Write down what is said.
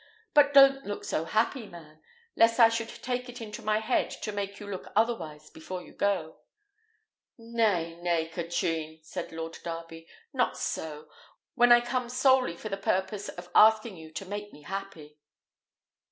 But don't look so happy, man, lest I should take it into my head to make you look otherwise before you go." "Nay, nay, Katrine," said Lord Darby; "not so, when I come solely for the purpose of asking you to make me happy."